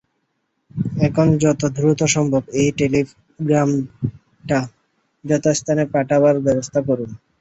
এখন যত দ্রুত সম্ভব এই টেলিগ্রামটা যথাস্থানে পাঠাবার ব্যবস্থা করুন!